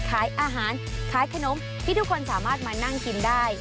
ขายอาหารขายขนมที่ทุกคนสามารถมานั่งกินได้